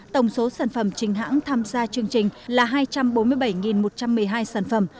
tổng số sản phẩm chính hãng tham gia chương trình là hai trăm bốn mươi bảy một trăm một mươi hai sản phẩm